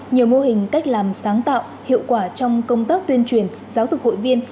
nhiều mô hình cách làm sáng tạo hiệu quả trong công tác tuyên truyền giáo dục hội viên